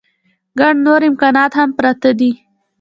ګڼ نور امکانات هم پراته دي.